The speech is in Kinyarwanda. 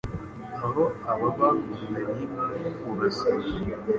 aho aba bakundanye kurasana.